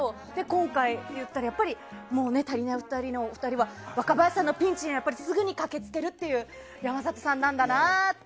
今回、やっぱり「たりないふたり」のお二人は若林さんのピンチにすぐに駆け付ける山里さんなんだなって。